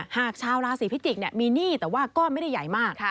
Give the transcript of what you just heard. หากชาวราศีพิจิกษ์มีหนี้แต่ว่าก้อนไม่ได้ใหญ่มาก